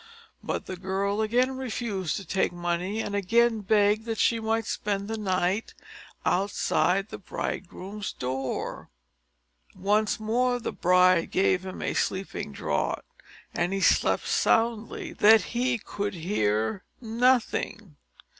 But the girl again refused to take money and again begged that she might spend the night outside the bridegroom's door. Once more, the bride gave him a sleeping draught, and he slept so soundly, that he could hear nothing.